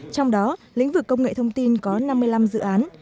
trong đó lĩnh vực công nghệ thông tin có năm mươi năm dự án